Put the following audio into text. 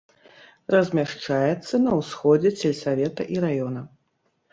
Размяшчаецца на ўсходзе сельсавета і раёна.